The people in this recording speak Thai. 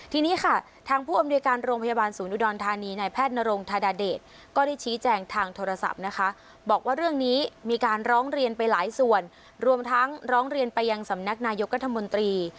ทีนี้ค่ะทางผู้อำนวยการโรงพยาบาลศูนย์อุดรธานีนายแพทย์นรงธาดาเดชก็ได้ชี้แจงทางโทรศัพท์นะคะบอกว่าเรื่องนี้มีการร้องเรียนไปหลายส่วนรวมทั้งร้องเรียนไปยังสำนักนายกรัฐมนตรี